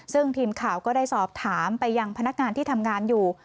ซึ่งทีมข่าวก็ได้สอบถามไปยังพนักงานที่ทำงานอยู่